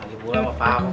malah gue gak paham